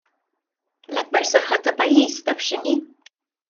L-akbar saħħa ta' pajjiż taf x'inhi?